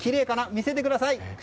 見せてください！